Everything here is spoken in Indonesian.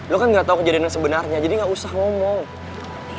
lo kan gak tau kejadian yang sebenarnya jadi gak usah ngomong